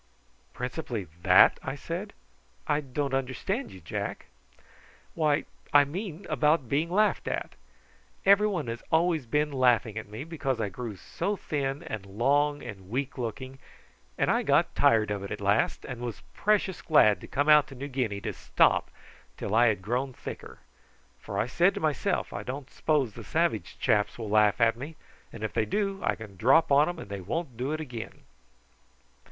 "Principally that!" I said. "I don't understand you, Jack." "Why, I mean about being laughed at! Everybody has always been laughing at me, because I grew so thin and long and weak looking, and I got tired of it at last, and was precious glad to come out to New Guinea to stop till I had grown thicker. For I said to myself, I don't s'pose the savage chaps will laugh at me, and if they do I can drop on 'em and they won't do it again."